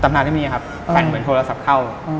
ตำราเล่มนี้ครับสั่นเหมือนโทรศัพท์เข้า